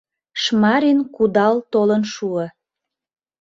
Шмарин кудал толын шуо.